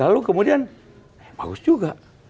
lalu kemudian bagus juga